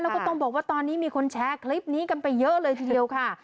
แล้วก็ต้องบอกว่าตอนนี้มีคนแชร์คลิปนี้กันไปเยอะเลยทีเดียวค่ะ